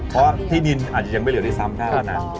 เพราะว่าที่ดินอาจจะยังไม่เหลือที่ซ้ำท่านั้น